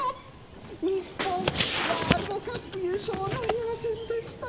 日本、ワールドカップ優勝なりませんでした。